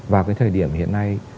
vào cái thời điểm hiện nay